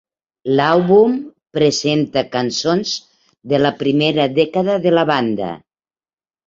L"àlbum presenta cançons de la primera dècada de la banda.